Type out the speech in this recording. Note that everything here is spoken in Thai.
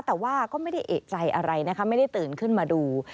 แต่ว่าก็ไม่ได้เอกใจอะไรนะคะไม่ได้ตื่นขึ้นมาดู